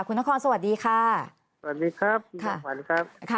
คุณนครสวัสดีค่ะสวัสดีครับคุณจอมขวัญครับ